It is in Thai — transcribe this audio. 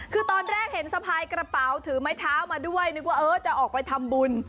คือตอนแรกเห็นสะพายกระเป๋าถือไม้เท้ามาด้วยนึกว่าเออจะออกไปทำบุญ